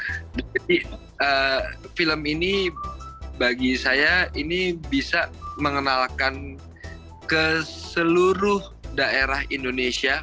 jadi film ini bagi saya ini bisa mengenalkan ke seluruh daerah indonesia